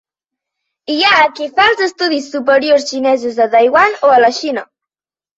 Hi ha qui fa els estudis superiors xinesos a Taiwan o a la Xina.